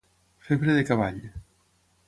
Febre de cavall.